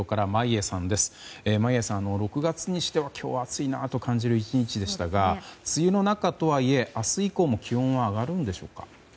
眞家さん、６月にしては今日は暑いなと感じる１日でしたが梅雨の中とはいえ、明日以降も気温は上がるんでしょうか。